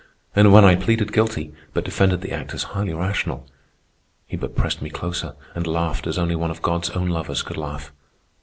And when I pleaded guilty, but defended the act as highly rational, he but pressed me closer and laughed as only one of God's own lovers could laugh.